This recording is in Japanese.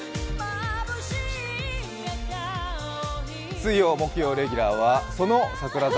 水曜・木曜レギュラーはその櫻坂